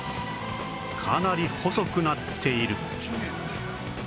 かなり細くなっている